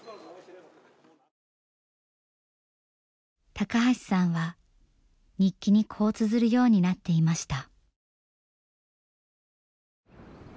高橋さんは日記にこうつづるようになっていました。